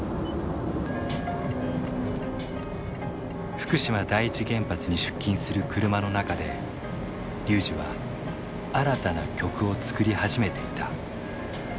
福島第一原発に出勤する車の中で龍司は新たな曲を作り始めていた。